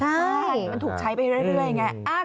ใช่มันถูกใช้ไปเรื่อยไง